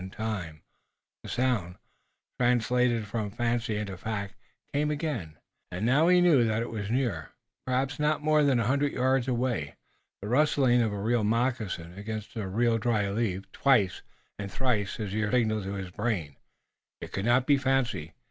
In time, the sound, translated from fancy into fact, came again, and now he knew that it was near, perhaps not more than a hundred yards away, the rustling of a real moccasin against a real dry leaf. Twice and thrice his ear signaled to his brain. It could not be fancy.